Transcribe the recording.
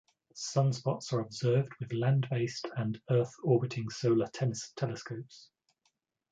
Sunspots are observed with land-based and Earth-orbiting solar telescopes.